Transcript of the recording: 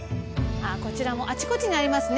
こちらもあちこちにありますね。